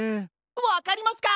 わかりますか！